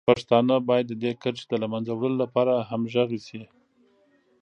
پښتانه باید د دې کرښې د له منځه وړلو لپاره همغږي شي.